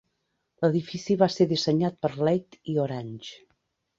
L'edifici va ser dissenyat per Leigh i Orange.